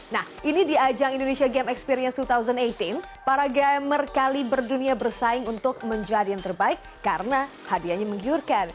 nah ini di ajang indonesia game experience dua ribu delapan belas para gamer kali berdunia bersaing untuk menjadi yang terbaik karena hadiahnya menggiurkan